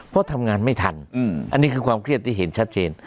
เพราะทำงานไม่ทันอันนี้คือความเครียดที่เห็นชัดเจน